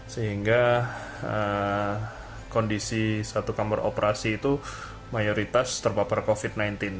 sehingga kondisi satu kamar operasi itu mayoritas terpapar covid sembilan belas